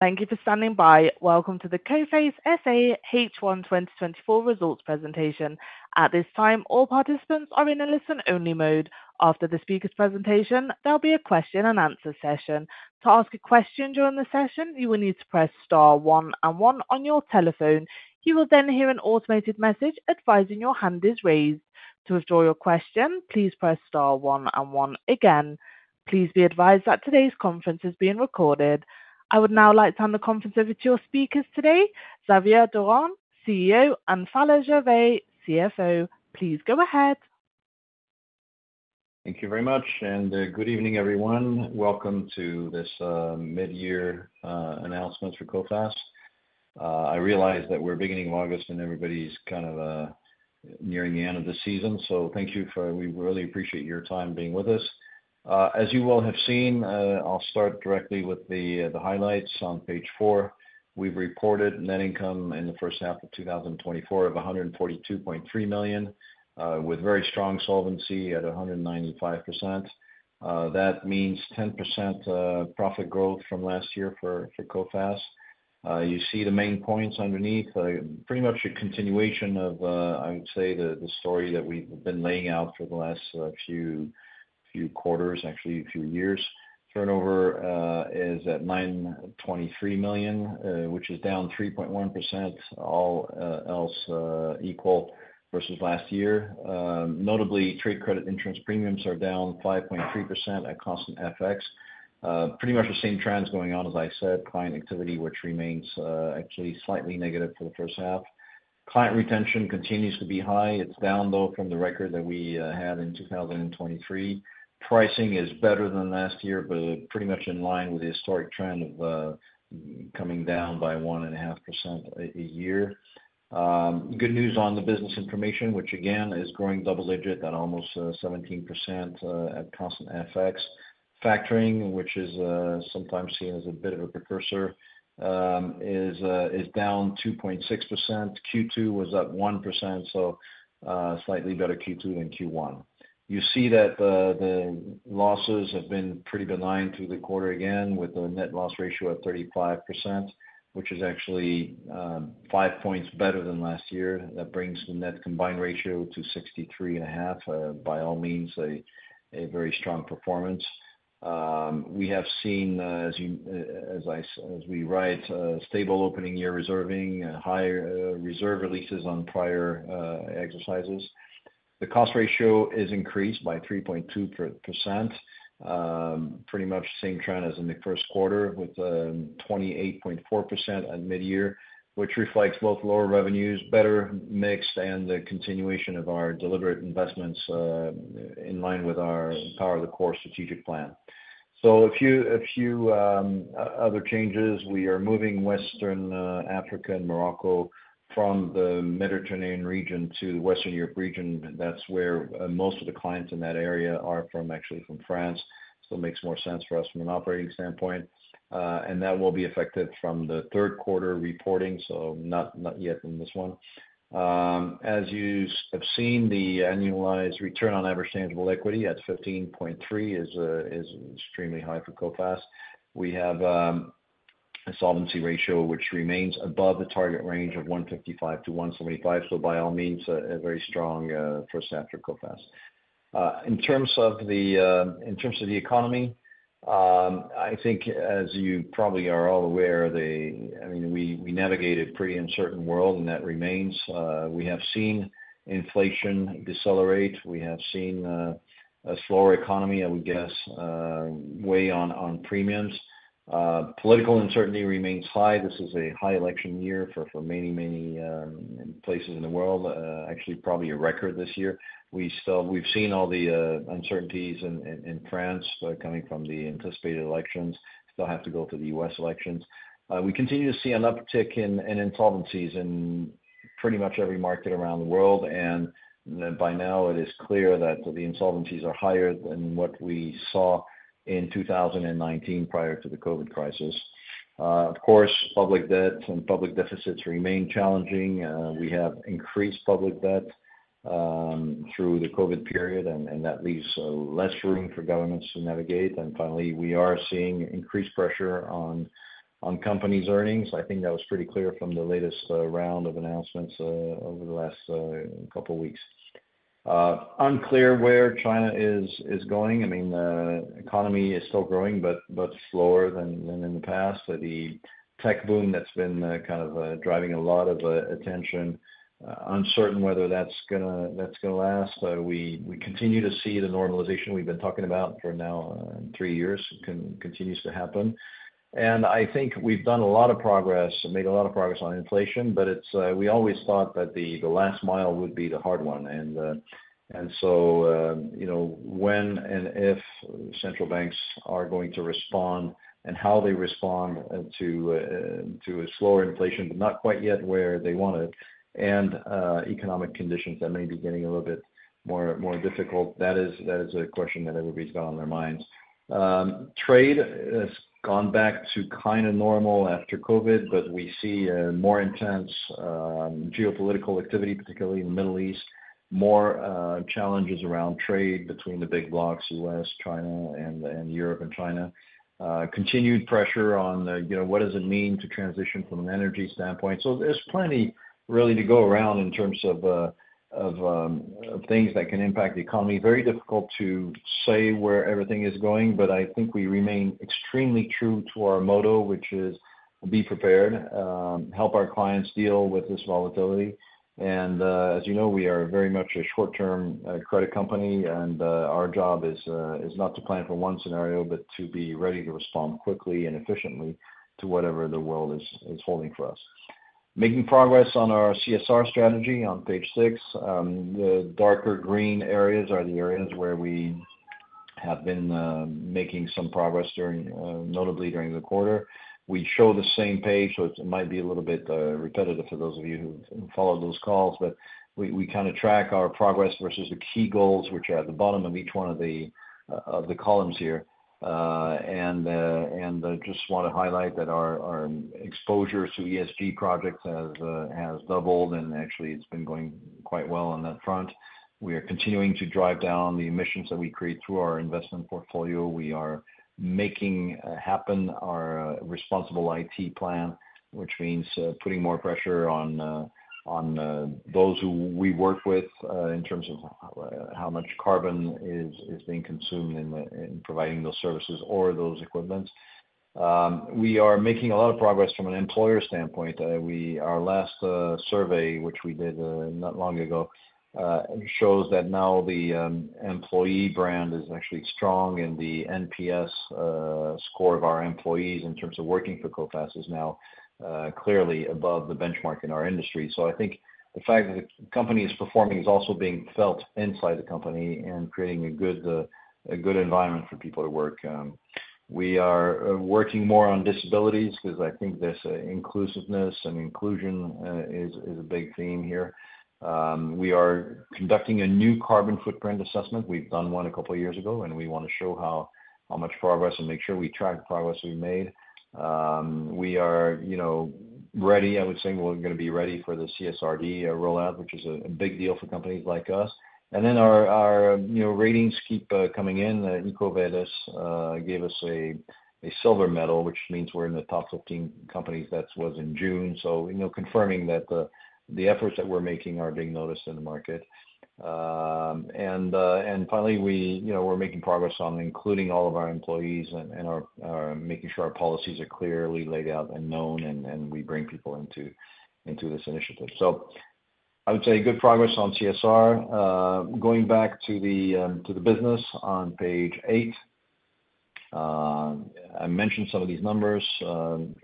Thank you for standing by. Welcome to the Coface SA H1 2024 Results Presentation. At this time, all participants are in a listen-only mode. After the speaker's presentation, there'll be a question-and-answer session. To ask a question during the session, you will need to press star one and one on your telephone. You will then hear an automated message advising your hand is raised. To withdraw your question, please press star one and one again. Please be advised that today's conference is being recorded. I would now like to hand the conference over to your speakers today, Xavier Durand, CEO, and Phalla Gervais, CFO. Please go ahead. Thank you very much, and good evening, everyone. Welcome to this mid-year announcement for Coface. I realize that we're beginning of August and everybody's kind of nearing the end of the season, so thank you for. We really appreciate your time being with us. As you all have seen, I'll start directly with the highlights on page four. We've reported net income in the first half of 2024 of 142.3 million, with very strong solvency at 195%. That means 10% profit growth from last year for Coface. You see the main points underneath, pretty much a continuation of, I would say, the story that we've been laying out for the last few quarters, actually a few years. Turnover is at 923 million, which is down 3.1%, all else equal versus last year. Notably, trade credit insurance premiums are down 5.3% at cost and FX. Pretty much the same trends going on, as I said, client activity, which remains actually slightly negative for the first half. Client retention continues to be high. It's down, though, from the record that we had in 2023. Pricing is better than last year, but pretty much in line with the historic trend of coming down by 1.5% a year. Good news on the business information, which again is growing double-digit at almost 17% at cost and FX. Factoring, which is sometimes seen as a bit of a precursor, is down 2.6%. Q2 was up 1%, so slightly better Q2 than Q1. You see that the losses have been pretty benign through the quarter again, with a net loss ratio at 35%, which is actually five points better than last year. That brings the net combined ratio to 63.5, by all means a very strong performance. We have seen, as we write, stable opening year reserving, higher reserve releases on prior exercises. The cost ratio is increased by 3.2%, pretty much same trend as in the first quarter, with 28.4% at mid-year, which reflects both lower revenues, better mixed, and the continuation of our deliberate investments in line with our Power the Core strategic plan. So a few other changes. We are moving Western Africa and Morocco from the Mediterranean region to the Western Europe region. That's where most of the clients in that area are from, actually from France. So it makes more sense for us from an operating standpoint. And that will be affected from the third quarter reporting, so not yet in this one. As you have seen, the annualized return on average tangible equity at 15.3 is extremely high for Coface. We have a solvency ratio which remains above the target range of 155-175, so by all means a very strong first half for Coface. In terms of the economy, I think, as you probably are all aware, I mean, we navigated a pretty uncertain world, and that remains. We have seen inflation decelerate. We have seen a slower economy, I would guess, weigh on premiums. Political uncertainty remains high. This is a high election year for many, many places in the world, actually probably a record this year. We've seen all the uncertainties in France coming from the anticipated elections. We still have to go to the U.S. elections. We continue to see an uptick in insolvencies in pretty much every market around the world. And by now, it is clear that the insolvencies are higher than what we saw in 2019 prior to the COVID crisis. Of course, public debt and public deficits remain challenging. We have increased public debt through the COVID period, and that leaves less room for governments to navigate. Finally, we are seeing increased pressure on companies' earnings. I think that was pretty clear from the latest round of announcements over the last couple of weeks. Unclear where China is going. I mean, the economy is still growing, but slower than in the past. The tech boom that's been kind of driving a lot of attention. Uncertain whether that's going to last. We continue to see the normalization we've been talking about for now three years continues to happen. I think we've done a lot of progress, made a lot of progress on inflation, but we always thought that the last mile would be the hard one. And so when and if central banks are going to respond and how they respond to a slower inflation, but not quite yet where they want it, and economic conditions that may be getting a little bit more difficult, that is a question that everybody's got on their minds. Trade has gone back to kind of normal after COVID, but we see more intense geopolitical activity, particularly in the Middle East, more challenges around trade between the big blocs, U.S., China, and Europe and China. Continued pressure on what does it mean to transition from an energy standpoint. So there's plenty really to go around in terms of things that can impact the economy. Very difficult to say where everything is going, but I think we remain extremely true to our motto, which is be prepared, help our clients deal with this volatility. As you know, we are very much a short-term credit company, and our job is not to plan for one scenario, but to be ready to respond quickly and efficiently to whatever the world is holding for us. Making progress on our CSR strategy on page six. The darker green areas are the areas where we have been making some progress, notably during the quarter. We show the same page, so it might be a little bit repetitive for those of you who follow those calls, but we kind of track our progress versus the key goals, which are at the bottom of each one of the columns here. I just want to highlight that our exposure to ESG projects has doubled, and actually it's been going quite well on that front. We are continuing to drive down the emissions that we create through our investment portfolio. We are making happen our Responsible IT plan, which means putting more pressure on those who we work with in terms of how much carbon is being consumed in providing those services or those equipment. We are making a lot of progress from an employee standpoint. Our last survey, which we did not long ago, shows that now the employee brand is actually strong, and the NPS score of our employees in terms of working for Coface is now clearly above the benchmark in our industry. So I think the fact that the company is performing is also being felt inside the company and creating a good environment for people to work. We are working more on disabilities because I think this inclusiveness and inclusion is a big theme here. We are conducting a new carbon footprint assessment. We've done one a couple of years ago, and we want to show how much progress and make sure we track the progress we made. We are ready, I would say, we're going to be ready for the CSRD rollout, which is a big deal for companies like us. And then our ratings keep coming in. EcoVadis gave us a silver medal, which means we're in the top 15 companies. That was in June. So confirming that the efforts that we're making are being noticed in the market. And finally, we're making progress on including all of our employees and making sure our policies are clearly laid out and known, and we bring people into this initiative. So I would say good progress on CSR. Going back to the business on page eigth, I mentioned some of these numbers.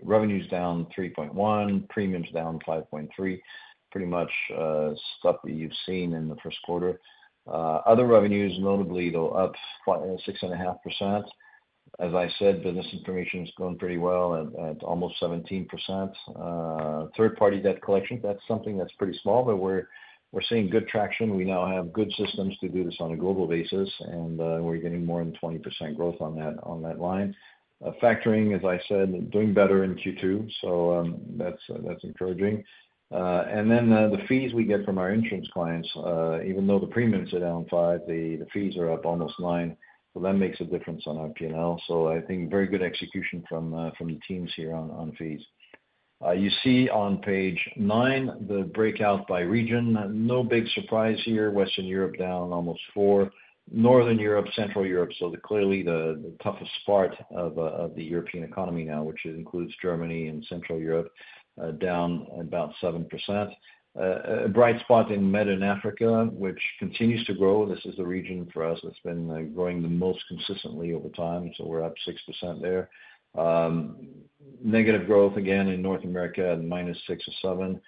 Revenues down 3.1%, premiums down 5.3%, pretty much stuff that you've seen in the first quarter. Other revenues, notably, though, up 6.5%. As I said, business information is going pretty well at almost 17%. Third-party debt collection, that's something that's pretty small, but we're seeing good traction. We now have good systems to do this on a global basis, and we're getting more than 20% growth on that line. Factoring, as I said, doing better in Q2, so that's encouraging. And then the fees we get from our insurance clients, even though the premiums are down five, the fees are up almost nine. So that makes a difference on our P&L. So I think very good execution from the teams here on fees. You see on page nine, the breakout by region. No big surprise here. Western Europe down almost four. Northern Europe, Central Europe, so clearly the toughest part of the European economy now, which includes Germany and Central Europe, down about 7%. A bright spot in Med and Africa, which continues to grow. This is the region for us that's been growing the most consistently over time, so we're up 6% there. Negative growth again in North America, -6 or -7.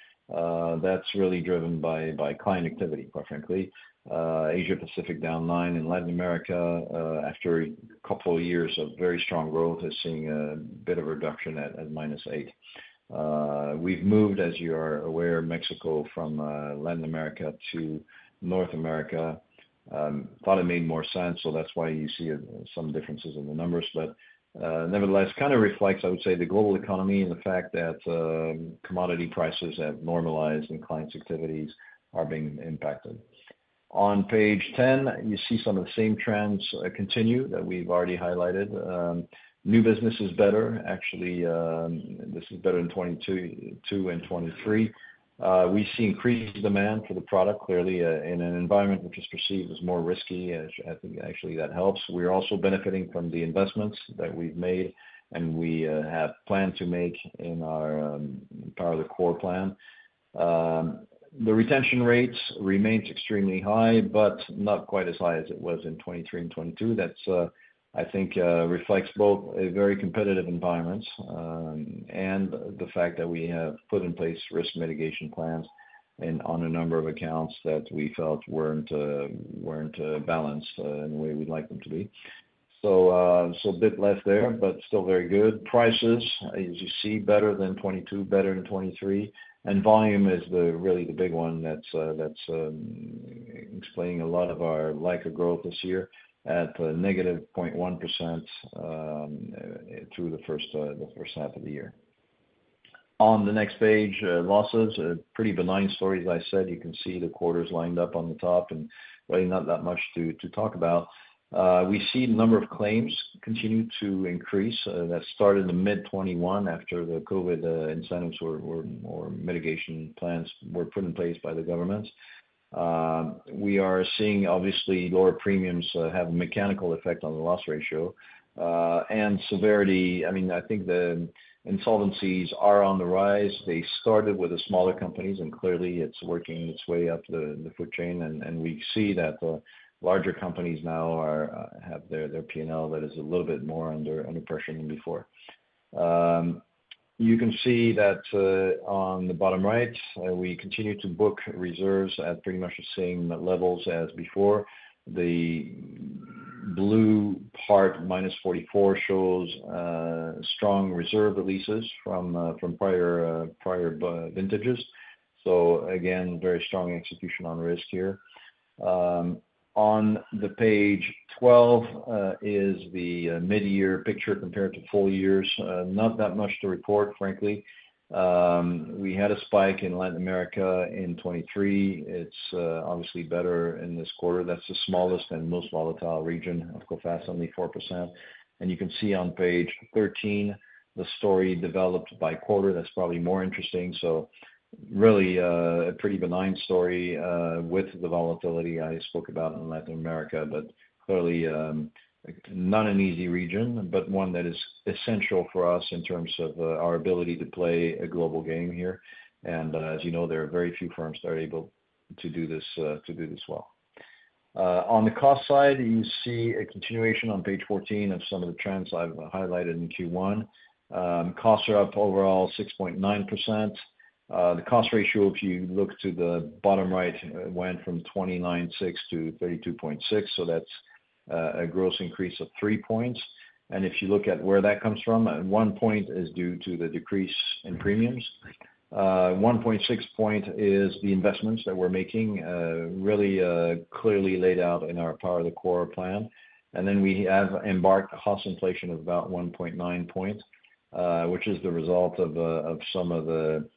That's really driven by client activity, quite frankly. Asia-Pacific -9. In Latin America, after a couple of years of very strong growth, is seeing a bit of reduction at -8. We've moved, as you are aware, Mexico from Latin America to North America. Thought it made more sense, so that's why you see some differences in the numbers. But nevertheless, kind of reflects, I would say, the global economy and the fact that commodity prices have normalized and clients' activities are being impacted. On page 10, you see some of the same trends continue that we've already highlighted. New business is better. Actually, this is better in 2022 and 2023. We see increased demand for the product, clearly in an environment which is perceived as more risky. I think actually that helps. We're also benefiting from the investments that we've made and we have planned to make in our Power the Core plan. The retention rates remain extremely high, but not quite as high as it was in 2023 and 2022. That's, I think, reflects both a very competitive environment and the fact that we have put in place risk mitigation plans on a number of accounts that we felt weren't balanced in the way we'd like them to be. So a bit less there, but still very good. Prices, as you see, better than 2022, better than 2023. Volume is really the big one that's explaining a lot of our turnover growth this year at -0.1% through the first half of the year. On the next page, losses, pretty benign stories. I said you can see the quarters lined up on the top and really not that much to talk about. We see the number of claims continue to increase. That started in the mid-2021 after the COVID incentives or mitigation plans were put in place by the governments. We are seeing, obviously, lower premiums have a mechanical effect on the loss ratio and severity. I mean, I think the insolvencies are on the rise. They started with the smaller companies, and clearly it's working its way up the food chain. And we see that the larger companies now have their P&L that is a little bit more under pressure than before. You can see that on the bottom right, we continue to book reserves at pretty much the same levels as before. The blue part, -44, shows strong reserve releases from prior vintages. So again, very strong execution on risk here. On page 12 is the mid-year picture compared to full years. Not that much to report, frankly. We had a spike in Latin America in 2023. It's obviously better in this quarter. That's the smallest and most volatile region of Coface, only 4%. And you can see on page 13 the story developed by quarter. That's probably more interesting. So really a pretty benign story with the volatility I spoke about in Latin America, but clearly not an easy region, but one that is essential for us in terms of our ability to play a global game here. As you know, there are very few firms that are able to do this well. On the cost side, you see a continuation on page 14 of some of the trends I've highlighted in Q1. Costs are up overall 6.9%. The cost ratio, if you look to the bottom right, went from 29.6% to 32.6%, so that's a gross increase of three points. If you look at where that comes from, one point is due to the decrease in premiums. 1.6 point is the investments that we're making really clearly laid out in our Power the Core plan. Then we have embarked on a cost inflation of about 1.9 point, which is the result of some of the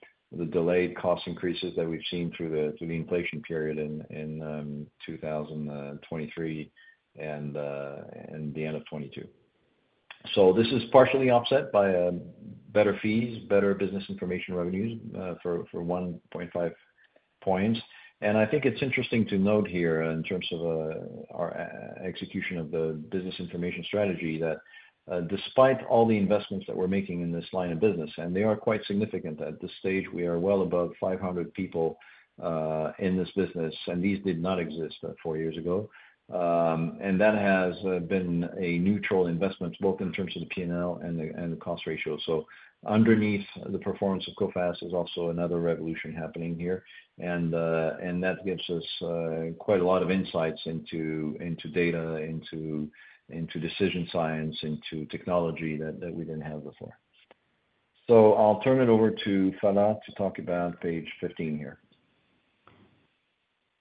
delayed cost increases that we've seen through the inflation period in 2023 and the end of 2022. So this is partially offset by better fees, better Business Information revenues for 1.5 points. I think it's interesting to note here in terms of our execution of the Business Information strategy that despite all the investments that we're making in this line of business, and they are quite significant at this stage, we are well above 500 people in this business, and these did not exist four years ago. That has been a neutral investment, both in terms of the P&L and the cost ratio. So underneath the performance of Coface is also another revolution happening here. That gives us quite a lot of insights into data, into decision science, into technology that we didn't have before. So I'll turn it over to Phalla to talk about page 15 here.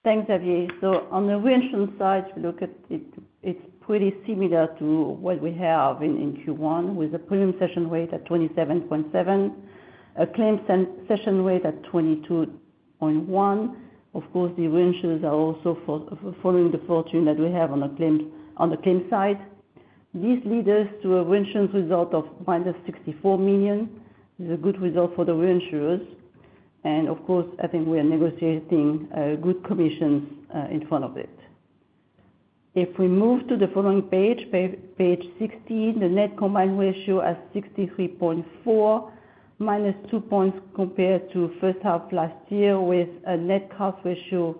Thanks, Xavier. So on the reinsurance side, if you look at it, it's pretty similar to what we have in Q1 with a premium cession rate at 27.7, a claim cession rate at 22.1. Of course, the reinsurers are also following the fortune that we have on the claim side. This leads us to a reinsurance result of -64 million. It's a good result for the reinsurers. And of course, I think we are negotiating good commissions in front of it. If we move to the following page, page 16, the net combined ratio at 63.4, -2 points compared to first half last year with a net cost ratio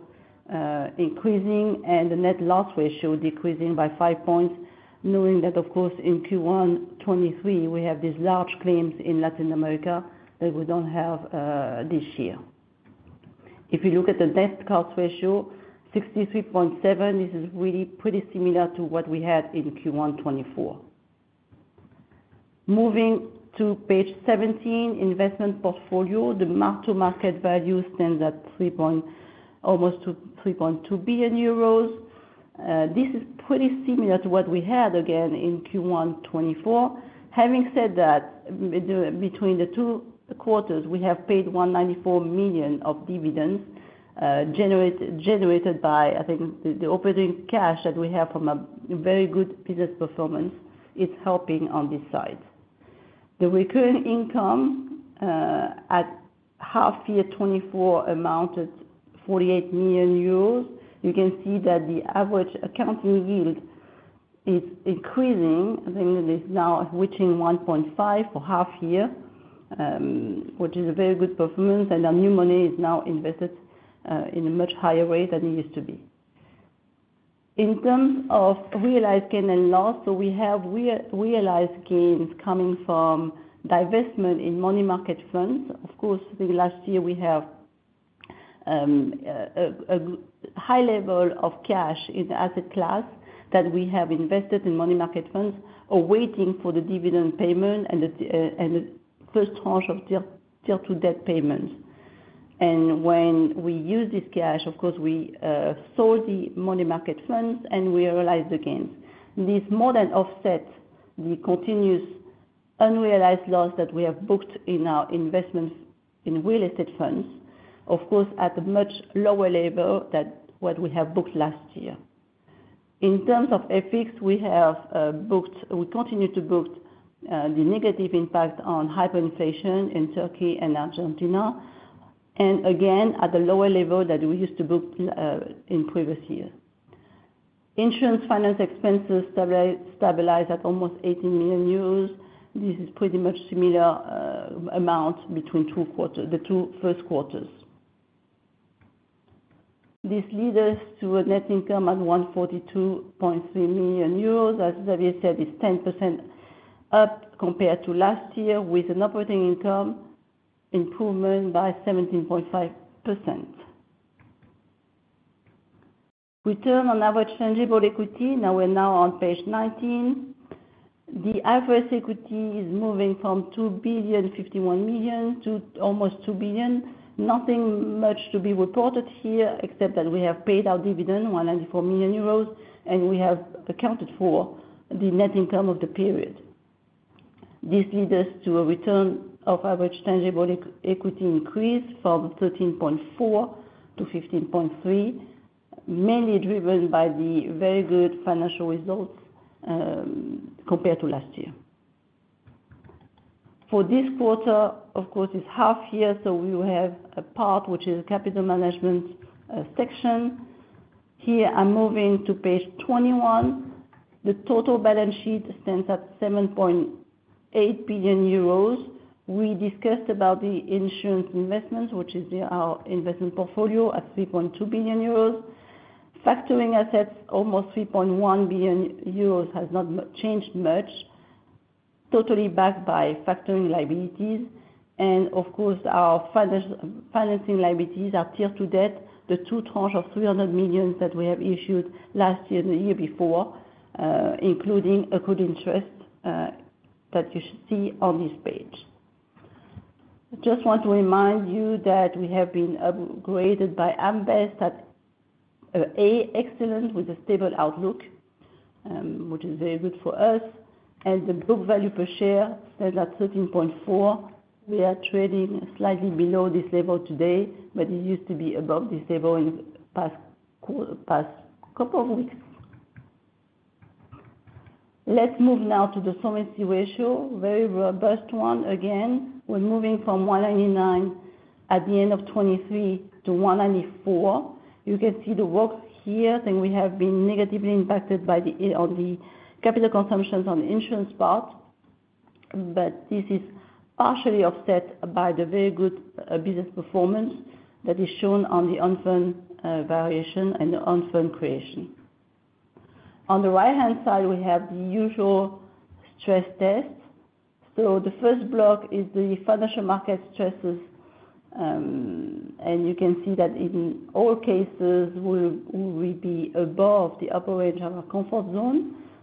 increasing and the net loss ratio decreasing by five points, knowing that, of course, in Q1 2023, we have these large claims in Latin America that we don't have this year. If you look at the net cost ratio, 63.7, this is really pretty similar to what we had in Q1 2024. Moving to page 17, investment portfolio, the mark-to-market value stands at almost 3.2 billion euros. This is pretty similar to what we had again in Q1 2024. Having said that, between the two quarters, we have paid 194 million of dividends generated by, I think, the operating cash that we have from a very good business performance. It's helping on this side. The recurring income at half year 2024 amounted to 48 million euros. You can see that the average accounting yield is increasing. I think it is now reaching 1.5 for half year, which is a very good performance. And our new money is now invested in a much higher rate than it used to be. In terms of realized gain and loss, so we have realized gains coming from divestment in money market funds. Of course, last year we have a high level of cash in the asset class that we have invested in money market funds awaiting for the dividend payment and the first tranche of Tier II debt payments. And when we use this cash, of course, we sold the money market funds and we realized the gains. This more than offsets the continuous unrealized loss that we have booked in our investments in real estate funds, of course, at a much lower level than what we have booked last year. In terms of FX, we have booked. We continue to book the negative impact on hyperinflation in Turkey and Argentina. And again, at the lower level that we used to book in previous years. Insurance finance expenses stabilized at almost 18 million euros. This is pretty much a similar amount between the two first quarters. This leads us to a net income of 142.3 million euros. As Xavier said, it's 10% up compared to last year with an operating income improvement by 17.5%. Return on average tangible equity. Now we're on page 19. The average equity is moving from 2.051 billion to almost 2 billion. Nothing much to be reported here except that we have paid our dividend, 194 million euros, and we have accounted for the net income of the period. This leads us to a return on average tangible equity increase from 13.4 to 15.3, mainly driven by the very good financial results compared to last year. For this quarter, of course, it's half year, so we will have a part which is a capital management section. Here, I'm moving to page 21. The total balance sheet stands at 7.8 billion euros. We discussed about the insurance investments, which is our investment portfolio at 3.2 billion euros. Factoring assets, almost 3.1 billion euros, has not changed much, totally backed by factoring liabilities. And of course, our financing liabilities are Tier II debt, the two tranches of 300 million that we have issued last year and the year before, including accrued interest that you should see on this page. I just want to remind you that we have been upgraded by AM Best at A, excellent with a stable outlook, which is very good for us. And the book value per share stands at 13.4. We are trading slightly below this level today, but it used to be above this level in the past couple of weeks. Let's move now to the solvency ratio, very robust one again. We're moving from 199 at the end of 2023 to 194. You can see the work here. I think we have been negatively impacted by the capital consumptions on the insurance part, but this is partially offset by the very good business performance that is shown on the Own Funds variation and the Own Funds creation. On the right-hand side, we have the usual stress test. So the first block is the financial market stresses. And you can see that in all cases, we will be above the upper range of our comfort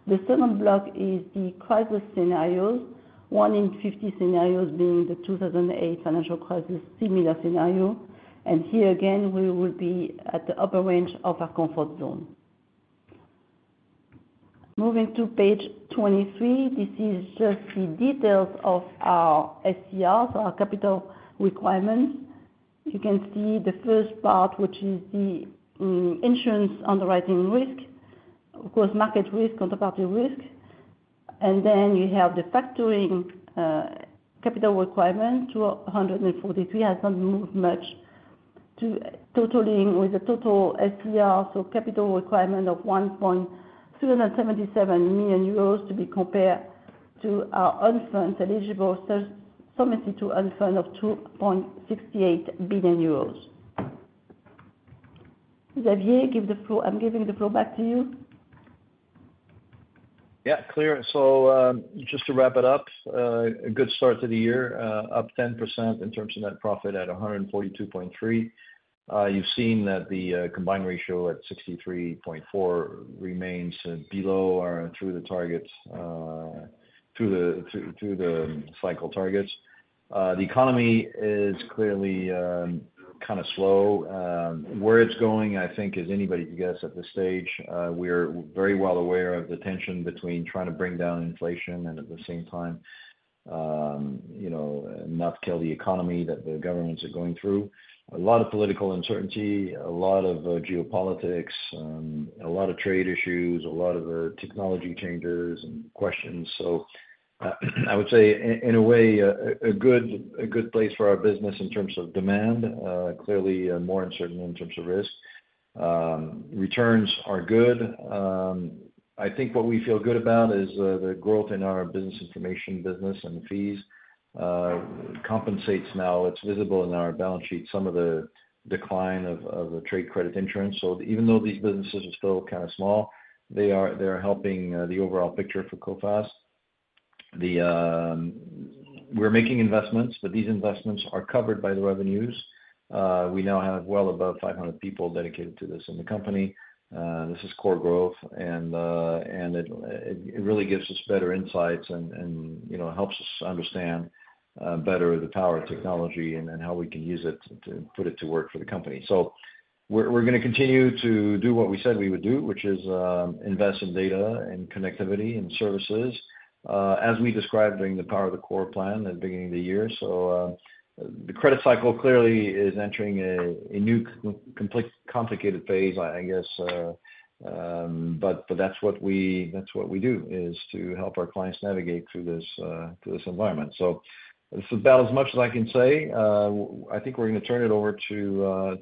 zone. The second block is the crisis scenarios, one in 50 scenarios being the 2008 financial crisis, similar scenario. And here again, we will be at the upper range of our comfort zone. Moving to page 23, this is just the details of our SCR, so our capital requirements. You can see the first part, which is the insurance underwriting risk, of course, market risk, counterparty risk. And then you have the factoring capital requirement, 243 has not moved much with the total SCR, so capital requirement of 1.377 million euros to be compared to our own funds eligible solvency own funds of 2.68 billion euros. Xavier, I'm giving the floor back to you. Yeah, clear. So just to wrap it up, a good start to the year, up 10% in terms of net profit at 142.3. You've seen that the combined ratio at 63.4% remains below or through the target, through the cycle targets. The economy is clearly kind of slow. Where it's going, I think, is anybody's guess at this stage. We're very well aware of the tension between trying to bring down inflation and at the same time not kill the economy that the governments are going through. A lot of political uncertainty, a lot of geopolitics, a lot of trade issues, a lot of technology changes and questions. So I would say, in a way, a good place for our business in terms of demand, clearly more uncertain in terms of risk. Returns are good. I think what we feel good about is the growth in our business information business and fees compensates now. It's visible in our balance sheet, some of the decline of the trade credit insurance. So even though these businesses are still kind of small, they are helping the overall picture for Coface. We're making investments, but these investments are covered by the revenues. We now have well above 500 people dedicated to this in the company. This is core growth, and it really gives us better insights and helps us understand better the power of technology and how we can use it to put it to work for the company. So we're going to continue to do what we said we would do, which is invest in data and connectivity and services as we described during the Power the Core plan at the beginning of the year. So the credit cycle clearly is entering a new complicated phase, I guess, but that's what we do, is to help our clients navigate through this environment. So that's about as much as I can say. I think we're going to turn it over to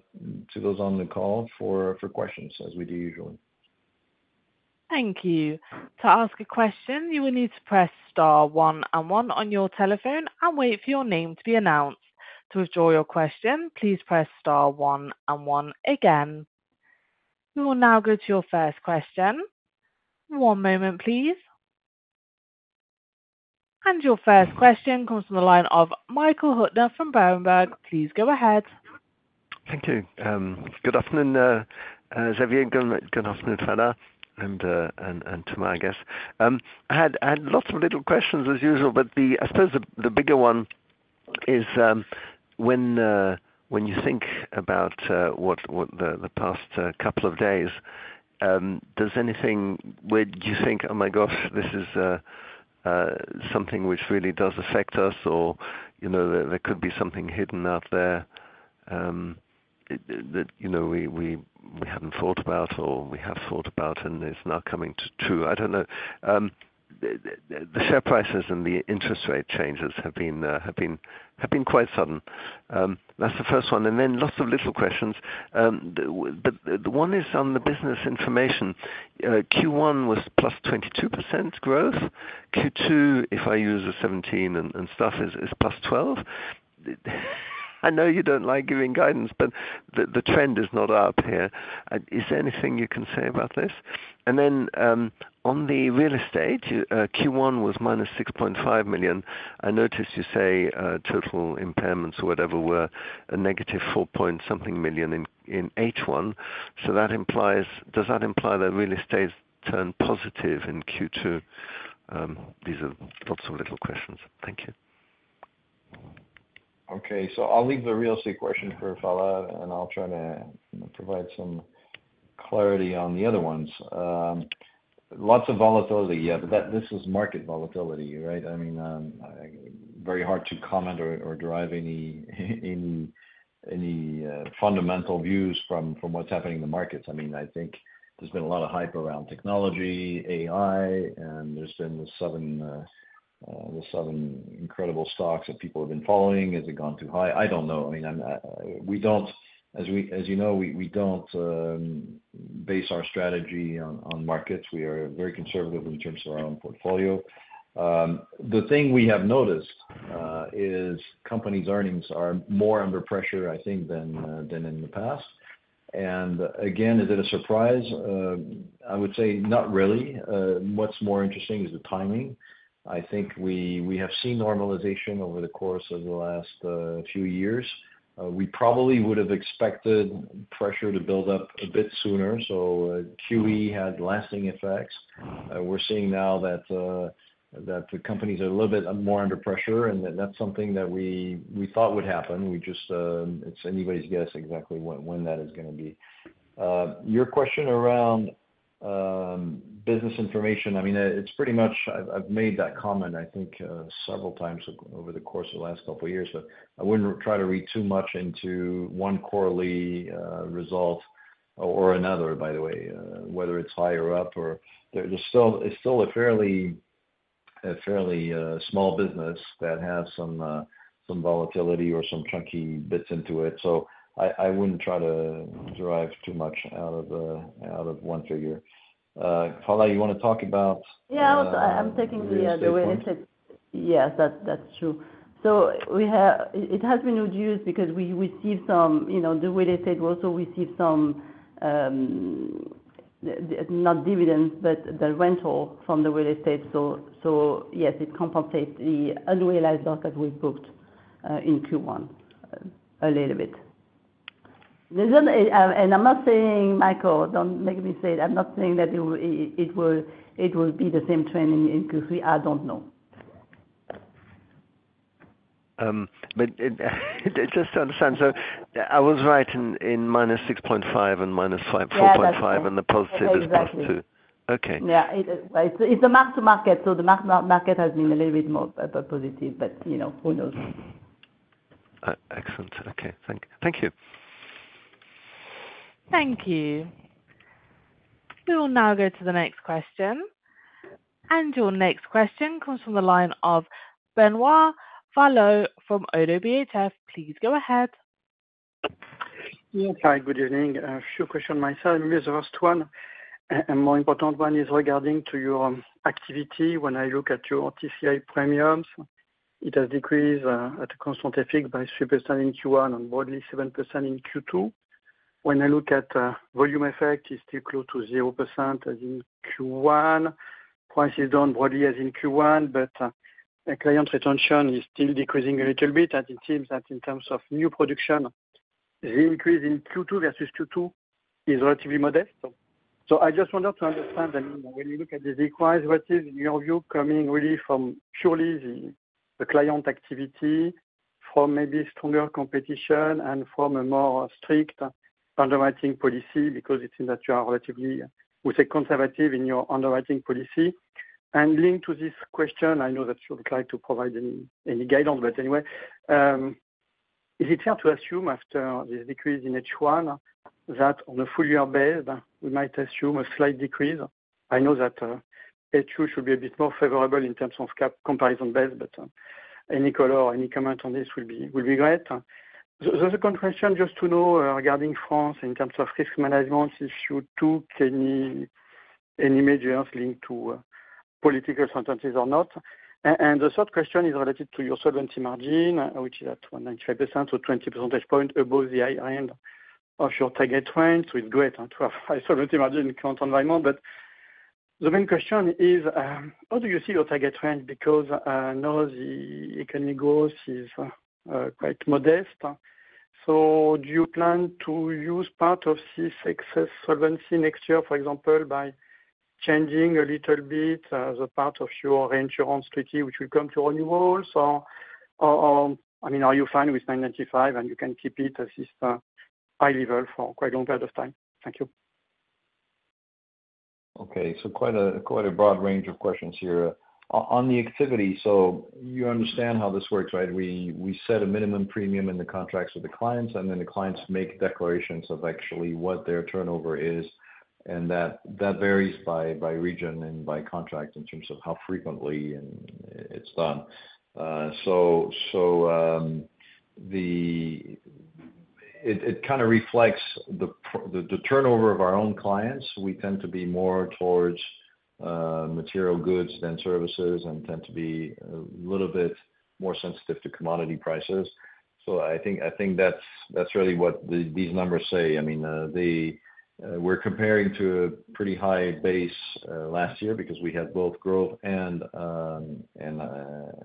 those on the call for questions as we do usually. Thank you. To ask a question, you will need to press star one and one on your telephone and wait for your name to be announced. To withdraw your question, please press star one and one again. We will now go to your first question. One moment, please. And your first question comes from the line of Michael Huttner from Berenberg. Please go ahead. Thank you. Good afternoon, Xavier. Good afternoon, Phalla, and to my guest. I had lots of little questions as usual, but I suppose the bigger one is when you think about what the past couple of days does anything where you think, "Oh my gosh, this is something which really does affect us," or there could be something hidden out there that we hadn't thought about or we have thought about and it's now coming true. I don't know. The share prices and the interest rate changes have been quite sudden. That's the first one. And then lots of little questions. The one is on the Business Information. Q1 was +22% growth. Q2, if I use the 17 and stuff, is +12. I know you don't like giving guidance, but the trend is not up here. Is there anything you can say about this? Then on the real estate, Q1 was -6.5 million. I noticed you say total impairments or whatever were -EUR 4.something million in H1. Does that imply that real estate turned positive in Q2? These are lots of little questions. Thank you. Okay. So I'll leave the real estate question for Phalla, and I'll try to provide some clarity on the other ones. Lots of volatility, yeah, but this is market volatility, right? I mean, very hard to comment or derive any fundamental views from what's happening in the markets. I mean, I think there's been a lot of hype around technology, AI, and there's been the seven incredible stocks that people have been following. Has it gone too high? I don't know. I mean, as you know, we don't base our strategy on markets. We are very conservative in terms of our own portfolio. The thing we have noticed is companies' earnings are more under pressure, I think, than in the past. And again, is it a surprise? I would say not really. What's more interesting is the timing. I think we have seen normalization over the course of the last few years. We probably would have expected pressure to build up a bit sooner. So QE had lasting effects. We're seeing now that the companies are a little bit more under pressure, and that's something that we thought would happen. It's anybody's guess exactly when that is going to be. Your question around business information, I mean, it's pretty much I've made that comment, I think, several times over the course of the last couple of years. But I wouldn't try to read too much into one quarterly result or another, by the way, whether it's higher up or it's still a fairly small business that has some volatility or some chunky bits into it. So I wouldn't try to derive too much out of one figure. Phalla, you want to talk about? Yeah, I'm taking the real estate. Yes, that's true. So it has been reduced because we received some, the real estate also received some not dividends, but the rental from the real estate. So yes, it compensates the unrealized loss that we booked in Q1 a little bit. And I'm not saying, Michael, don't make me say it. I'm not saying that it will be the same trend in Q3. I don't know. Just to understand, so I was right in -6.5 and -4.5, and the positive is +2. Yeah, exactly. Okay. Yeah, it's a mark-to-market. So the mark-to-market has been a little bit more positive, but who knows? Excellent. Okay. Thank you. Thank you. We will now go to the next question. Your next question comes from the line of Benoit Valleaux from ODDO BHF. Please go ahead. Yes, hi, good evening. A few questions myself. The most important one is regarding to your activity. When I look at your TCI premiums, it has decreased at a constant effect by 3% in Q1 and broadly 7% in Q2. When I look at volume effect, it's still close to 0% as in Q1. Prices don't broadly as in Q1, but client retention is still decreasing a little bit. And it seems that in terms of new production, the increase in Q2 versus Q2 is relatively modest. So I just wanted to understand when you look at the equalizer, what is in your view coming really from purely the client activity from maybe stronger competition and from a more strict underwriting policy because it seems that you are relatively, we say, conservative in your underwriting policy. Linked to this question, I know that you would like to provide any guidance, but anyway, is it fair to assume after this decrease in H1 that on a full-year basis, we might assume a slight decrease? I know that H2 should be a bit more favorable in terms of comparison basis, but any color or any comment on this will be great. The second question, just to know regarding France in terms of risk management, if you took any measures linked to political uncertainties or not? The third question is related to your solvency margin, which is at 195% or 20 percentage points above the high end of your target trend. So it's great to have a solvency margin in current environment. But the main question is, how do you see your target trend? Because I know the economic growth is quite modest. So do you plan to use part of this excess solvency next year, for example, by changing a little bit the part of your reinsurance treaty, which will come to renewals? Or I mean, are you fine with 995 and you can keep it at this high level for quite a long period of time? Thank you. Okay. So quite a broad range of questions here. On the activity, so you understand how this works, right? We set a minimum premium in the contracts with the clients, and then the clients make declarations of actually what their turnover is, and that varies by region and by contract in terms of how frequently it's done. So it kind of reflects the turnover of our own clients. We tend to be more towards material goods than services and tend to be a little bit more sensitive to commodity prices. So I think that's really what these numbers say. I mean, we're comparing to a pretty high base last year because we had both growth and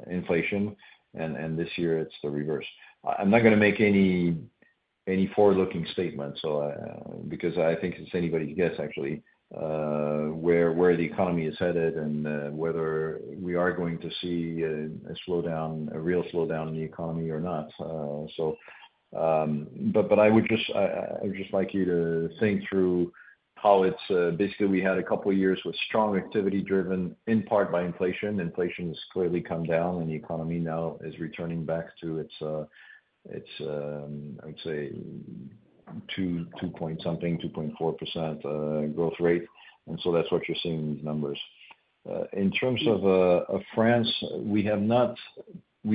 inflation, and this year it's the reverse. I'm not going to make any forward-looking statements because I think it's anybody's guess, actually, where the economy is headed and whether we are going to see a slowdown, a real slowdown in the economy or not. But I would just like you to think through how it's basically we had a couple of years with strong activity driven in part by inflation. Inflation has clearly come down, and the economy now is returning back to its, I would say, 2-something, 2.4% growth rate. And so that's what you're seeing in these numbers. In terms of France, we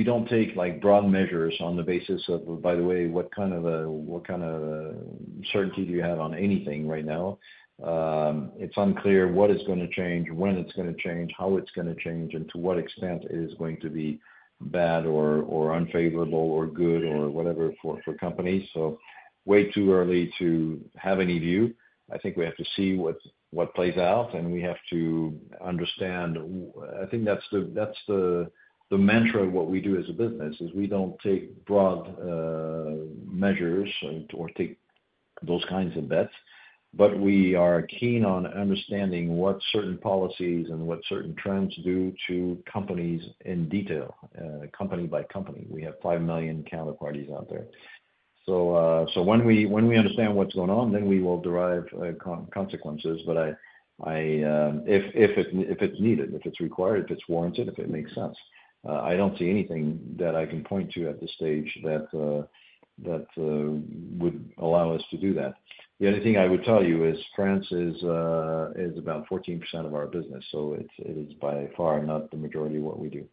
don't take broad measures on the basis of, by the way, what kind of certainty do you have on anything right now? It's unclear what is going to change, when it's going to change, how it's going to change, and to what extent it is going to be bad or unfavorable or good or whatever for companies. So way too early to have any view. I think we have to see what plays out, and we have to understand. I think that's the mantra of what we do as a business, is we don't take broad measures or take those kinds of bets, but we are keen on understanding what certain policies and what certain trends do to companies in detail, company by company. We have 5 million counterparties out there. So when we understand what's going on, then we will derive consequences, if it's needed, if it's required, if it's warranted, if it makes sense. I don't see anything that I can point to at this stage that would allow us to do that. The only thing I would tell you is France is about 14% of our business, so it is by far not the majority of what we do.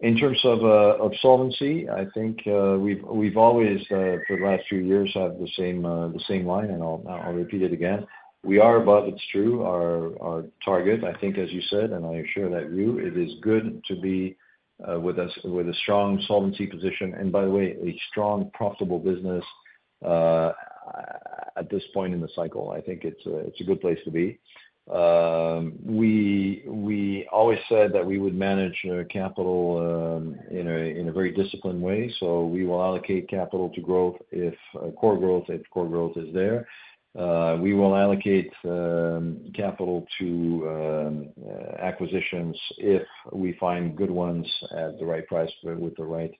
In terms of solvency, I think we've always, for the last few years, had the same line, and I'll repeat it again. We are above, it's true, our target. I think, as you said, and I assure that you, it is good to be with a strong solvency position. By the way, a strong, profitable business at this point in the cycle, I think it's a good place to be. We always said that we would manage capital in a very disciplined way. So we will allocate capital to growth, core growth, if core growth is there. We will allocate capital to acquisitions if we find good ones at the right price with the right,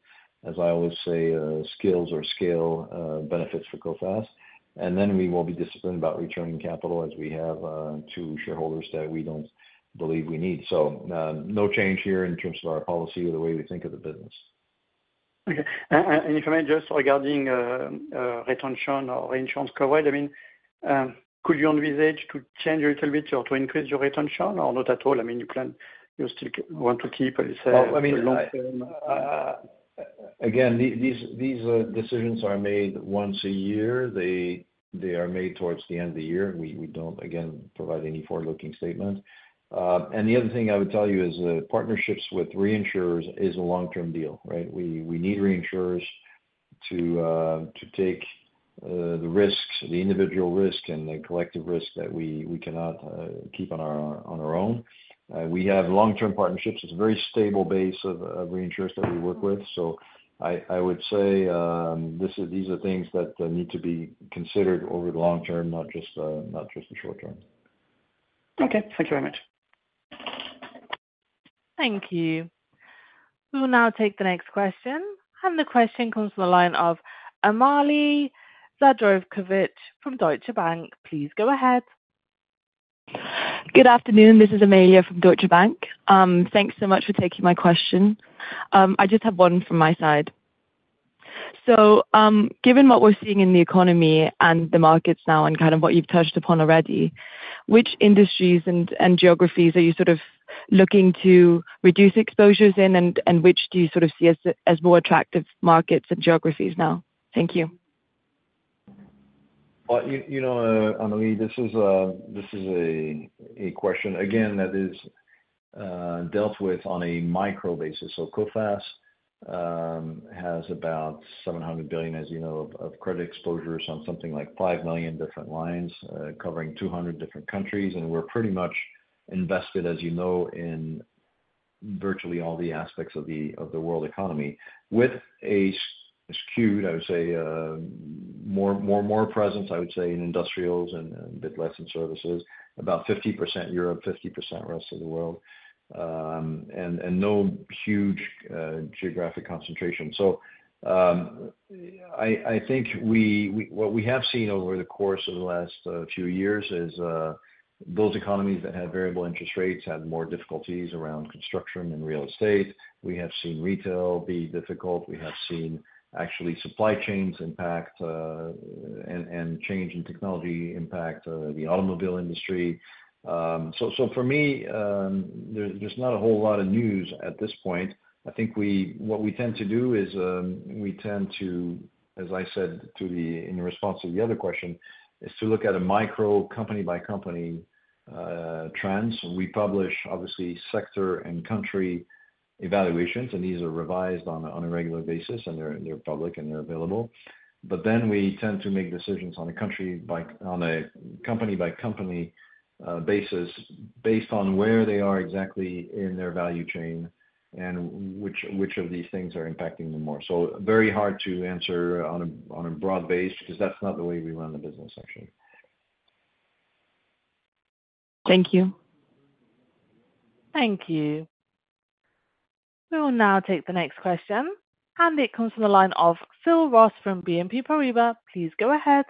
as I always say, skills or scale benefits for Coface. And then we will be disciplined about returning capital as we have to shareholders that we don't believe we need. So no change here in terms of our policy or the way we think of the business. Okay. If I may, just regarding retention or reinsurance coverage, I mean, could you envisage to change a little bit or to increase your retention or not at all? I mean, you still want to keep, as you said, long-term? Well, I mean, again, these decisions are made once a year. They are made towards the end of the year. We don't, again, provide any forward-looking statement. And the other thing I would tell you is partnerships with reinsurers is a long-term deal, right? We need reinsurers to take the risks, the individual risk, and the collective risk that we cannot keep on our own. We have long-term partnerships. It's a very stable base of reinsurers that we work with. So I would say these are things that need to be considered over the long term, not just the short term. Okay. Thank you very much. Thank you. We will now take the next question. The question comes from the line of Amalie Zdravkovic from Deutsche Bank. Please go ahead. Good afternoon. This is Amalie from Deutsche Bank. Thanks so much for taking my question. I just have one from my side. So given what we're seeing in the economy and the markets now and kind of what you've touched upon already, which industries and geographies are you sort of looking to reduce exposures in, and which do you sort of see as more attractive markets and geographies now? Thank you. Well, Amalie, this is a question, again, that is dealt with on a micro basis. So Coface has about 700 billion, as you know, of credit exposures on something like 5 million different lines covering 200 different countries. And we're pretty much invested, as you know, in virtually all the aspects of the world economy, with a skewed, I would say, more presence, I would say, in industrials and a bit less in services, about 50% Europe, 50% rest of the world, and no huge geographic concentration. So I think what we have seen over the course of the last few years is those economies that had variable interest rates had more difficulties around construction and real estate. We have seen retail be difficult. We have seen actually supply chains impact and change in technology impact the automobile industry. So for me, there's not a whole lot of news at this point. I think what we tend to do is we tend to, as I said in response to the other question, is to look at a micro company-by-company trends. We publish, obviously, sector and country evaluations, and these are revised on a regular basis, and they're public, and they're available. But then we tend to make decisions on a company-by-company basis based on where they are exactly in their value chain and which of these things are impacting them more. So very hard to answer on a broad base because that's not the way we run the business, actually. Thank you. Thank you. We will now take the next question. It comes from the line of Phil Ross from BNP Paribas. Please go ahead.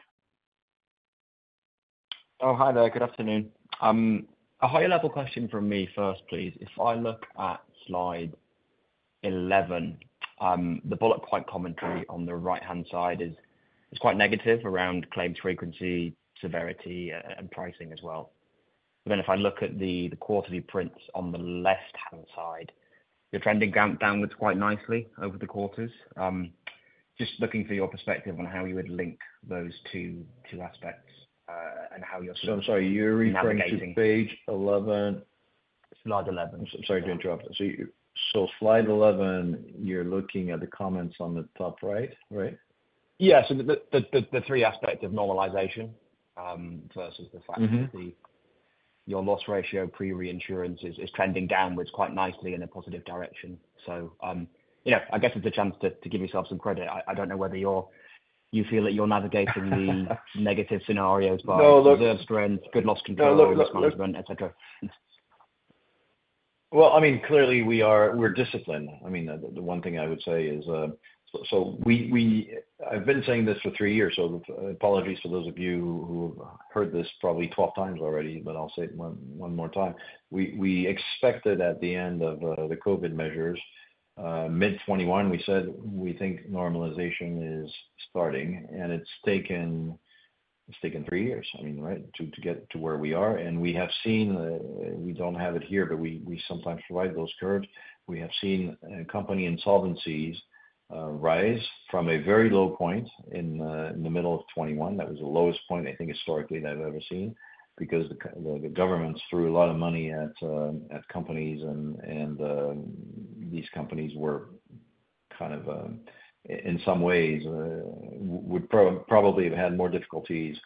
Oh, hi there. Good afternoon. A higher-level question from me first, please. If I look at slide 11, the bullet point commentary on the right-hand side is quite negative around claims frequency, severity, and pricing as well. But then if I look at the quarterly prints on the left-hand side, you're trending downwards quite nicely over the quarters. Just looking for your perspective on how you would link those two aspects and how you're navigating? I'm sorry. You're reading page 11. Slide 11. Sorry to interrupt. So slide 11, you're looking at the comments on the top right, right? Yeah. So the three aspects of normalization versus the fact that your loss ratio pre-reinsurance is trending downward quite nicely in a positive direction. So I guess it's a chance to give yourself some credit. I don't know whether you feel that you're navigating the negative scenarios by observed trends, good loss control, good loss management, etc.? Well, I mean, clearly, we're disciplined. I mean, the one thing I would say is so I've been saying this for three years. So apologies to those of you who have heard this probably 12 times already, but I'll say it one more time. We expected at the end of the COVID measures, mid-2021, we said we think normalization is starting, and it's taken three years, I mean, right, to get to where we are. And we have seen, we don't have it here, but we sometimes provide those curves, we have seen company insolvencies rise from a very low point in the middle of 2021. That was the lowest point, I think, historically that I've ever seen because the governments threw a lot of money at companies, and these companies were kind of, in some ways, would probably have had more difficulties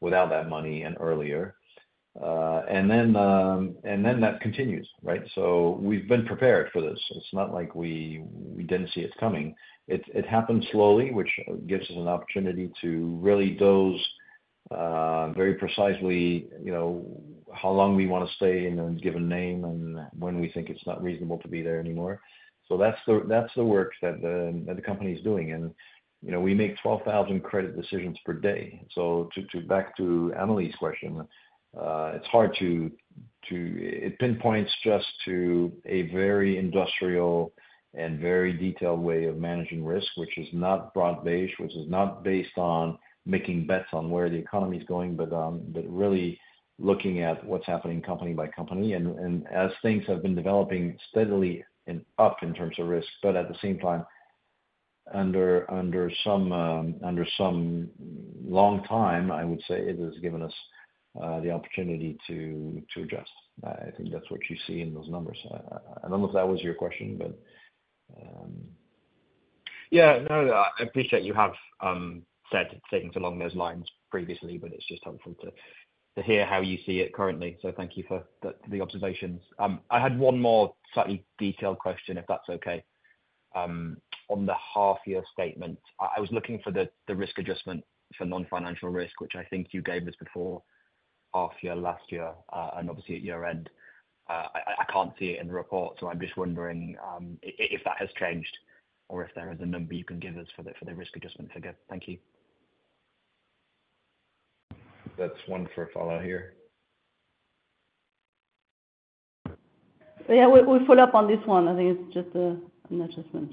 without that money and earlier. And then that continues, right? So we've been prepared for this. It's not like we didn't see it coming. It happened slowly, which gives us an opportunity to really dose very precisely how long we want to stay in a given name and when we think it's not reasonable to be there anymore. So that's the work that the company is doing. And we make 12,000 credit decisions per day. So back to Amalie's question, it's hard to—it pinpoints just to a very industrial and very detailed way of managing risk, which is not broad-based, which is not based on making bets on where the economy is going, but really looking at what's happening company by company. And as things have been developing steadily up in terms of risk, but at the same time, under some long time, I would say it has given us the opportunity to adjust. I think that's what you see in those numbers. I don't know if that was your question, but. Yeah. No, I appreciate you have said things along those lines previously, but it's just helpful to hear how you see it currently. So thank you for the observations. I had one more slightly detailed question, if that's okay. On the half-year statement, I was looking for the risk adjustment for non-financial risk, which I think you gave us before half-year last year, and obviously at year-end. I can't see it in the report, so I'm just wondering if that has changed or if there is a number you can give us for the risk adjustment figure. Thank you. That's one for a follower here. Yeah. We'll follow up on this one. I think it's just an adjustment.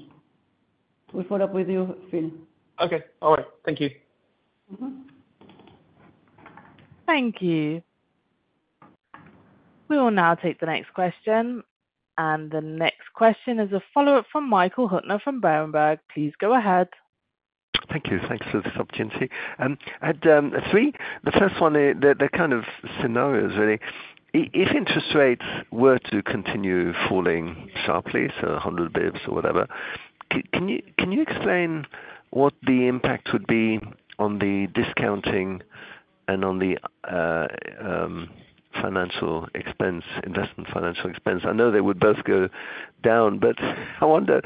We'll follow up with you, Phil. Okay. All right. Thank you. Thank you. We will now take the next question. The next question is a follow-up from Michael Huttner from Berenberg. Please go ahead. Thank you. Thanks for this opportunity. I had three. The first one, the kind of scenarios, really. If interest rates were to continue falling sharply, so 100 basis points or whatever, can you explain what the impact would be on the discounting and on the investment financial expense? I know they would both go down, but I wonder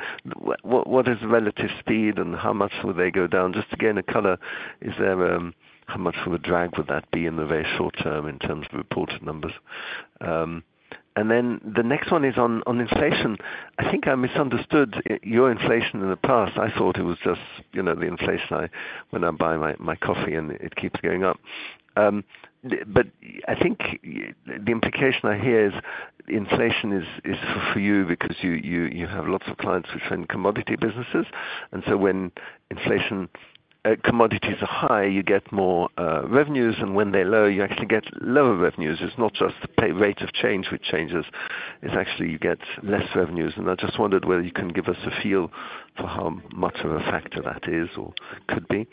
what is the relative speed and how much would they go down? Just to gain a color, how much of a drag would that be in the very short term in terms of reported numbers? And then the next one is on inflation. I think I misunderstood your inflation in the past. I thought it was just the inflation when I buy my coffee, and it keeps going up. But I think the implication I hear is inflation is for you because you have lots of clients which are in commodity businesses. And so when commodities are high, you get more revenues, and when they're low, you actually get lower revenues. It's not just the rate of change which changes. It's actually you get less revenues. And I just wondered whether you can give us a feel for how much of a factor that is or could be.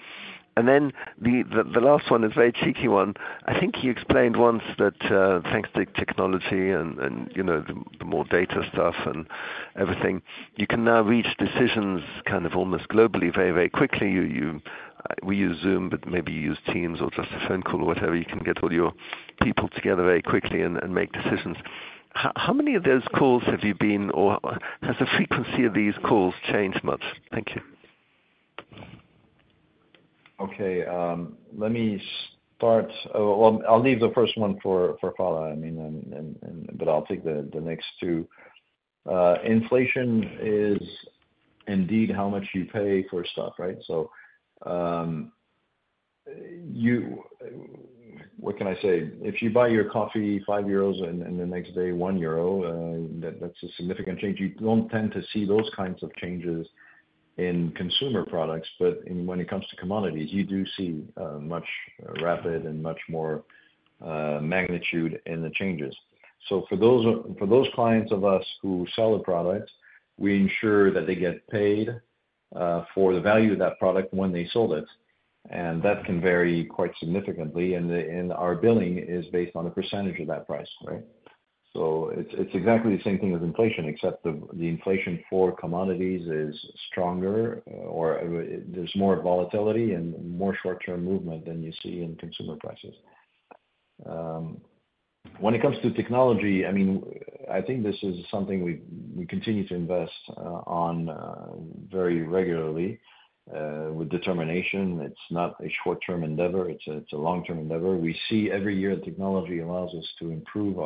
And then the last one is a very cheeky one. I think you explained once that thanks to technology and the more data stuff and everything, you can now reach decisions kind of almost globally very, very quickly. We use Zoom, but maybe you use Teams or just a phone call or whatever. You can get all your people together very quickly and make decisions. How many of those calls have you been, or has the frequency of these calls changed much? Thank you. Okay. Let me start. Well, I'll leave the first 1 for a follower, I mean, but I'll take the next two. Inflation is indeed how much you pay for stuff, right? So what can I say? If you buy your coffee 5 euros and the next day 1 euro, that's a significant change. You don't tend to see those kinds of changes in consumer products, but when it comes to commodities, you do see much rapid and much more magnitude in the changes. So for those clients of us who sell the product, we ensure that they get paid for the value of that product when they sold it. And that can vary quite significantly. And our billing is based on a percentage of that price, right? So it's exactly the same thing as inflation, except the inflation for commodities is stronger, or there's more volatility and more short-term movement than you see in consumer prices. When it comes to technology, I mean, I think this is something we continue to invest on very regularly with determination. It's not a short-term endeavor. It's a long-term endeavor. We see every year technology allows us to improve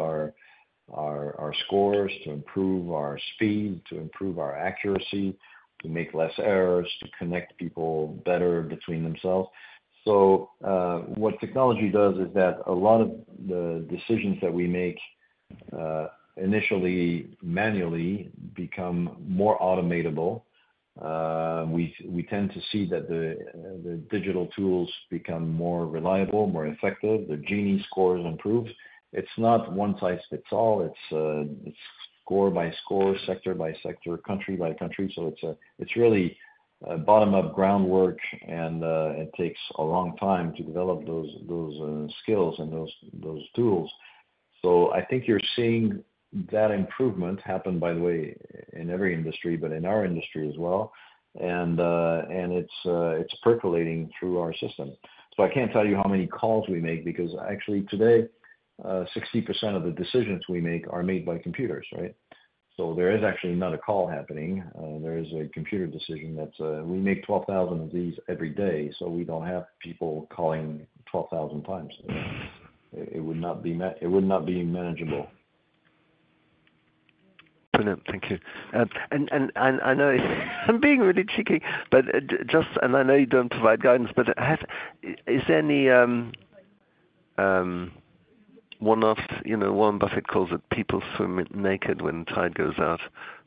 our scores, to improve our speed, to improve our accuracy, to make less errors, to connect people better between themselves. So what technology does is that a lot of the decisions that we make initially manually become more automatable. We tend to see that the digital tools become more reliable, more effective. The Gini scores improve. It's not one-size-fits-all. It's score by score, sector by sector, country by country. So it's really bottom-up groundwork, and it takes a long time to develop those skills and those tools. So I think you're seeing that improvement happen, by the way, in every industry, but in our industry as well. And it's percolating through our system. So I can't tell you how many calls we make because actually, today, 60% of the decisions we make are made by computers, right? So there is actually not a call happening. There is a computer decision that we make 12,000 of these every day. So we don't have people calling 12,000 times. It would not be manageable. Brilliant. Thank you. And I know I'm being really cheeky, and I know you don't provide guidance, but is there any Warren Buffett calls it people swimming naked when the tide goes out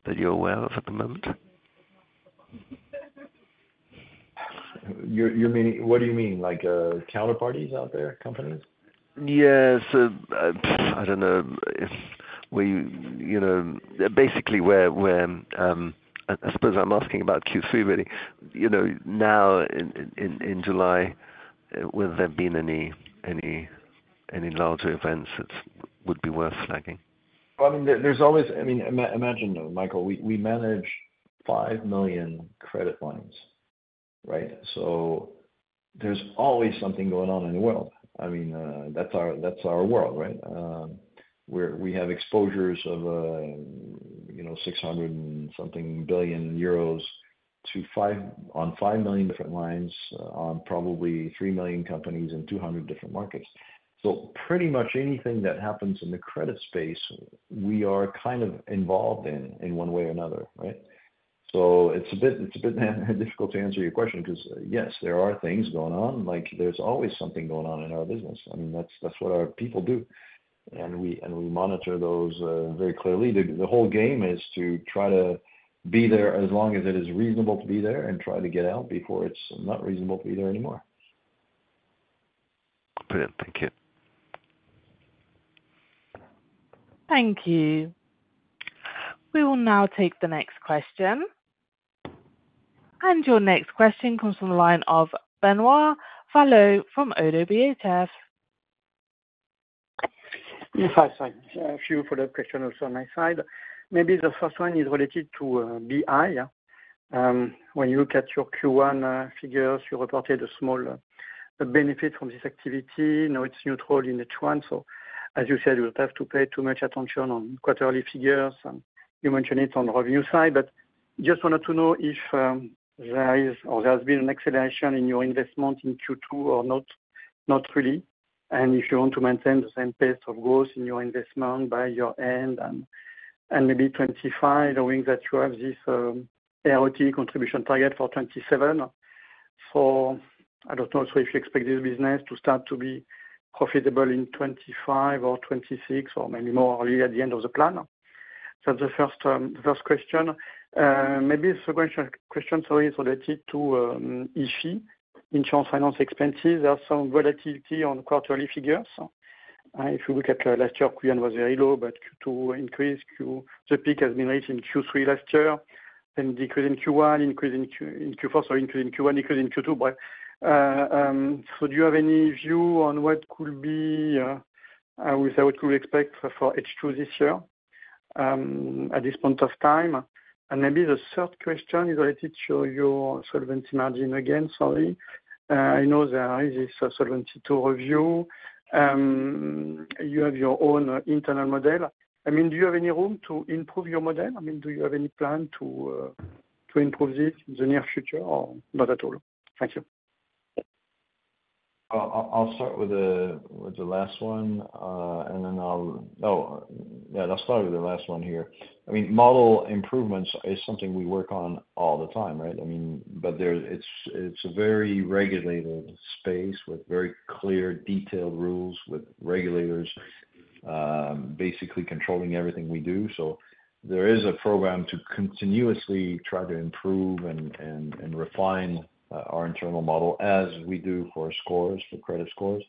that you're aware of at the moment? What do you mean? Like, counterparties out there, companies? Yeah. So I don't know if we basically, I suppose I'm asking about Q3, really. Now, in July, will there have been any larger events that would be worth flagging? Well, I mean, there's always, I mean, imagine, Michael, we manage 5 million credit lines, right? So there's always something going on in the world. I mean, that's our world, right? We have exposures of 600-something billion euros on 5 million different lines on probably 3 million companies in 200 different markets. So pretty much anything that happens in the credit space, we are kind of involved in one way or another, right? So it's a bit difficult to answer your question because, yes, there are things going on. There's always something going on in our business. I mean, that's what our people do. And we monitor those very clearly. The whole game is to try to be there as long as it is reasonable to be there and try to get out before it's not reasonable to be there anymore. Brilliant. Thank you. Thank you. We will now take the next question. Your next question comes from the line of Benoit Valleaux from ODDO BHF. Yes. Hi, sorry. A few follow-up questions also on my side. Maybe the first one is related to BI. When you look at your Q1 figures, you reported a small benefit from this activity. Now it's neutral in H1. So, as you said, we'll have to pay too much attention on quarterly figures. You mentioned it on the revenue side, but just wanted to know if there is or there has been an acceleration in your investment in Q2 or not really. And if you want to maintain the same pace of growth in your investment by year-end and maybe 2025, knowing that you have this RoATE contribution target for 2027. So I don't know. So if you expect this business to start to be profitable in 2025 or 2026 or maybe more early at the end of the plan. So that's the first question. Maybe the second question, sorry, is related to IFI, insurance finance expenses. There's some volatility on quarterly figures. If you look at last year, Q1 was very low, but Q2 increased. The peak has been reached in Q3 last year, then decreased in Q1, increased in Q4, sorry, increased in Q1, decreased in Q2. So do you have any view on what could be—I would say what could we expect for H2 this year at this point of time? And maybe the third question is related to your solvency margin again, sorry. I know there is this Solvency Il review. You have your own internal model. I mean, do you have any room to improve your model? I mean, do you have any plan to improve this in the near future or not at all? Thank you. I'll start with the last one here. I mean, model improvements is something we work on all the time, right? I mean, but it's a very regulated space with very clear, detailed rules with regulators basically controlling everything we do. So there is a program to continuously try to improve and refine our internal model as we do for scores, for credit scores.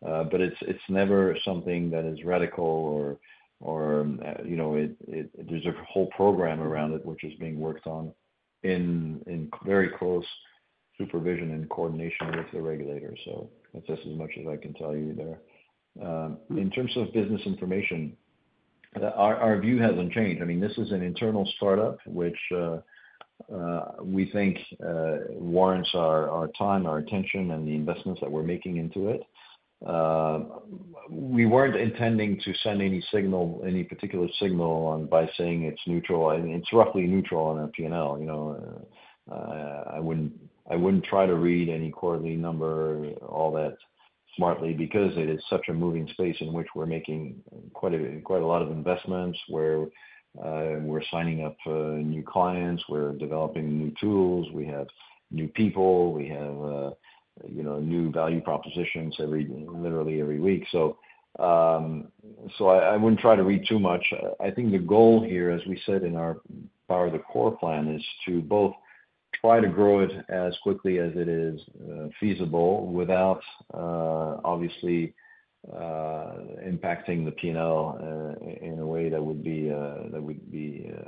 But it's never something that is radical, or there's a whole program around it which is being worked on in very close supervision and coordination with the regulators. So that's as much as I can tell you there. In terms of Business Information, our view hasn't changed. I mean, this is an internal startup which we think warrants our time, our attention, and the investments that we're making into it. We weren't intending to send any particular signal by saying it's neutral. It's roughly neutral on a P&L. I wouldn't try to read any quarterly number, all that smartly, because it is such a moving space in which we're making quite a lot of investments, where we're signing up new clients, we're developing new tools, we have new people, we have new value propositions literally every week. So I wouldn't try to read too much. I think the goal here, as we said in our Power the Core plan, is to both try to grow it as quickly as it is feasible without, obviously, impacting the P&L in a way that would be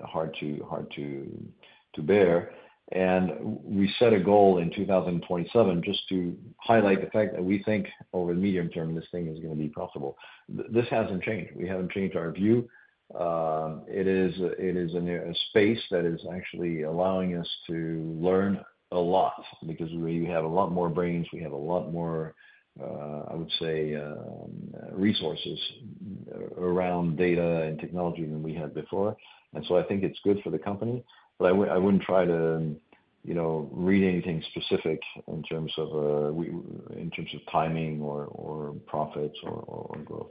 hard to bear. And we set a goal in 2027 just to highlight the fact that we think over the medium term, this thing is going to be profitable. This hasn't changed. We haven't changed our view. It is a space that is actually allowing us to learn a lot because we have a lot more brains. We have a lot more, I would say, resources around data and technology than we had before. So I think it's good for the company. But I wouldn't try to read anything specific in terms of timing or profits or growth.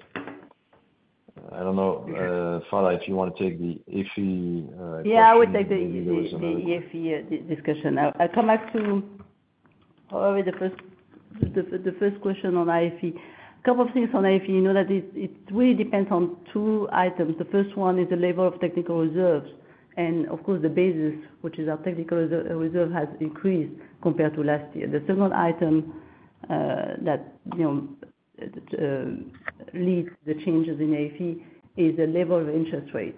I don't know. Xavier, if you want to take the IFI discussion. Yeah, I would take the IFI discussion. I'll come back to the first question on IFI. A couple of things on IFI. You know that it really depends on two items. The first one is the level of technical reserves. And of course, the basis, which is our technical reserve, has increased compared to last year. The second item that leads the changes in IFI is the level of interest rate.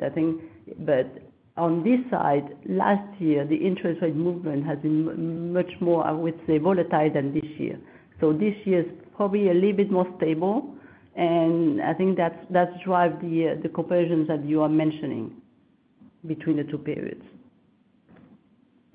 But on this side, last year, the interest rate movement has been much more, I would say, volatile than this year. So this year is probably a little bit more stable. And I think that's driven the comparisons that you are mentioning between the two periods.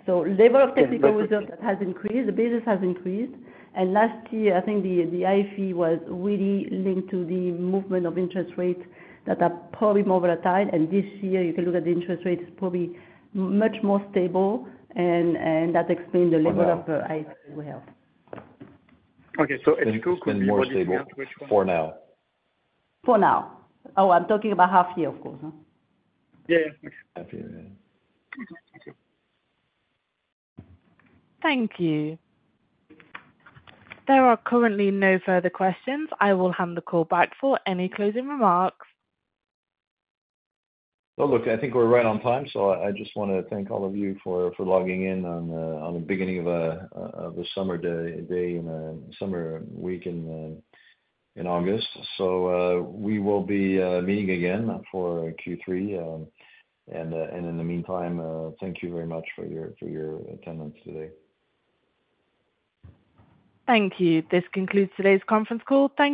So level of technical reserve that has increased, the basis has increased. And last year, I think the IFI was really linked to the movement of interest rates that are probably more volatile. This year, you can look at the interest rate is probably much more stable. That explains the level of IFI we have. Okay. So it's still more stable for now? For now. Oh, I'm talking about half year, of course. Yeah, yeah. Okay. Thank you. There are currently no further questions. I will hand the call back for any closing remarks. Well, look, I think we're right on time. So I just want to thank all of you for logging in on the beginning of a summer day in a summer week in August. So we will be meeting again for Q3. And in the meantime, thank you very much for your attendance today. Thank you. This concludes today's conference call. Thanks.